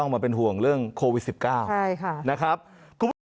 ขาดทุนก็มีไม่ขาดทุนก็มี